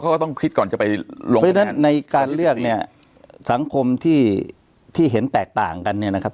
เขาก็ต้องคิดก่อนจะไปลงเพราะฉะนั้นในการเลือกเนี่ยสังคมที่เห็นแตกต่างกันเนี่ยนะครับ